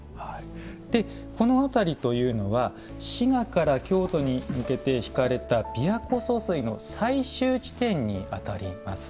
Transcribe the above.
この辺りというのは滋賀から京都に向けて引かれた琵琶湖疏水の最終地点にあたります。